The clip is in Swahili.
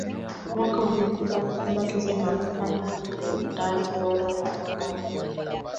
Mwaka uliopita alishinda tuzo ya Afisa Mkuu Mtendaji bora wa Mwaka Afrika